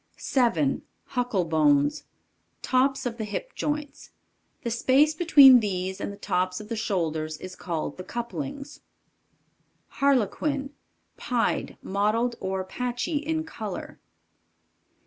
7. HUCKLE BONES. Tops of the hip joints. The space between these and the tops of the shoulders is called the couplings. Harlequin. Pied, mottled, or patchy in color.